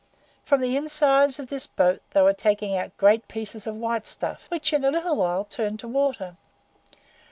"From the insides of this boat they were taking out great pieces of white stuff, which, in a little while, turned to water.